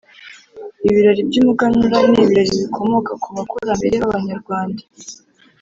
Ibirori by’umuganura ni ibirori bikomoka ku bakurambere ba banyarwanda,